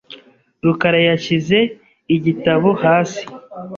rukara yashyize igitabo hasi .